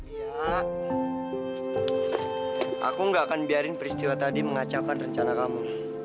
ya aku gak akan biarin peristiwa tadi mengacaukan rencana kamu